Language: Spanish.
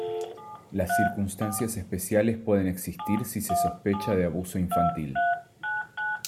Las Circunstancias especiales pueden existir si se sospecha de abuso infantil.